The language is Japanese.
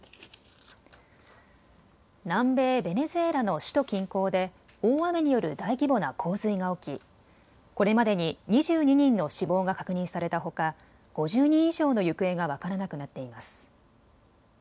南米ベネズエラの首都近郊で大雨による大規模な洪水が起き、これまでに２２人の死亡が確認されたほか、５０人以上の行方が分からなくなっています。